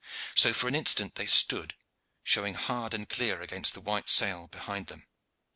So for an instant they stood, showing hard and clear against the white sail behind them.